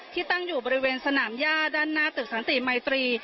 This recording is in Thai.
ที่ตั้งอยู่บริเวณสนามย่าด้านหน้าตึกสันติมัยตรี